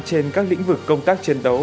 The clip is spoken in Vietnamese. trên các lĩnh vực công tác chiến đấu